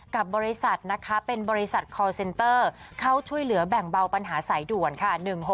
กับบริษัทนะคะเป็นบริษัทคอลเซนเตอร์เข้าช่วยเหลือแบ่งเบาปัญหาสายด่วนค่ะ